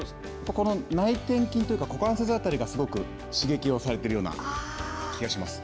内転筋とか股関節辺りがすごく刺激をされている気がします。